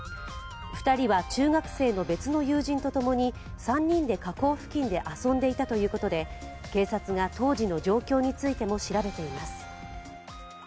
２人は中学生の別の友人と共に３人で河口付近で遊んでいたということで警察が当時の状況についても調べています。